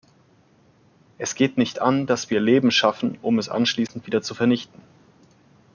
Es geht nicht an, dass wir Leben schaffen, um es anschließend wieder zu vernichten.